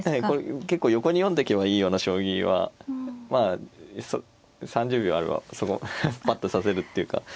はい結構横に読んでけばいいような将棋はまあ３０秒あればパッと指せるっていうか。